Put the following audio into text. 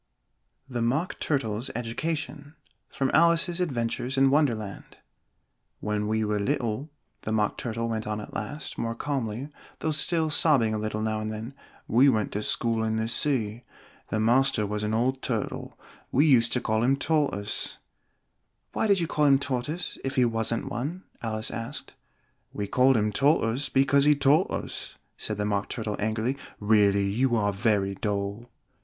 THE MOCK TURTLE'S EDUCATION From 'Alice's Adventures in Wonderland' "When we were little," the Mock Turtle went on at last, more calmly, though still sobbing a little now and then, "we went to school in the sea. The master was an old Turtle we used to call him Tortoise " "Why did you call him Tortoise, if he wasn't one?" Alice asked. "We called him Tortoise because he taught us," said the Mock Turtle angrily; "really you are very dull!"